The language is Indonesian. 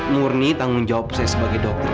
murni tanggung jawab saya sebagai dokter